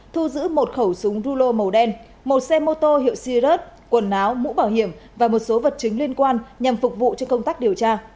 thu giữ một khẩu súng rulo màu đen một xe mô tô hiệu sirus quần áo mũ bảo hiểm và một số vật chứng liên quan nhằm phục vụ cho công tác điều tra